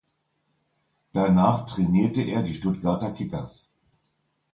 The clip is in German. Danach trainierte er die Stuttgarter Kickers.